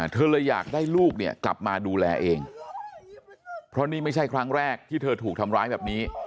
เธอเลยอยากได้ลูกเนี่ยกลับมาดูแลเองเพราะนี่ไม่ใช่ครั้งแรกที่เธอถูกทำร้ายแบบนี้